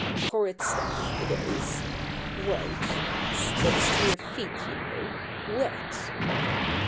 Horrid stuff, it is; white sticks to your feet you know; wet!